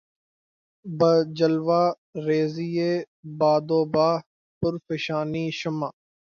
بہ جلوہ ریـزئ باد و بہ پرفشانیِ شمع